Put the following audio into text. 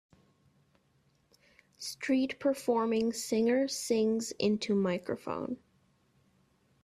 Street performing singer sings into microphone.